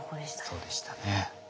そうでしたね。